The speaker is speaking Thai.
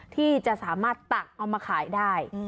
ที่จะสามารถตักเอามาขายได้